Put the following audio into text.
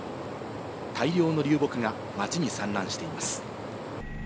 大量の流木が街に散乱しています。